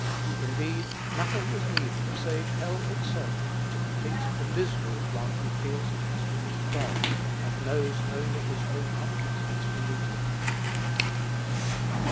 Indeed, nothing is needed, save hell itself, to complete the misery of one who feels he has to meet God, and knows only his own unfitness to meet him.